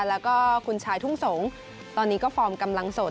แล้วก็คุณชายทุ่งสงศ์ตอนนี้ก็ฟอร์มกำลังสด